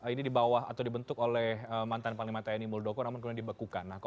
ini dibawah atau dibentuk oleh mantan panglima tni muldoko namun kemudian dibekukan